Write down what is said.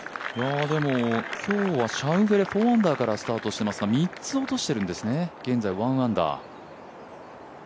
でも、シャウフェレ、４アンダーからスタートしていますが３つ落としているんですね、現在１アンダー。